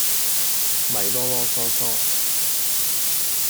咪嚕嚕囌囌